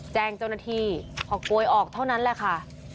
แจ้งเจ้าหน้าที่พอโกยออกเท่านั้นแหละค่ะ